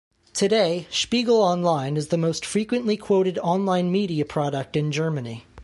Today, "Spiegel Online" is the most frequently quoted online media product in Germany.